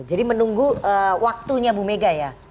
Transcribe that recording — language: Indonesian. jadi menunggu waktunya bu mega ya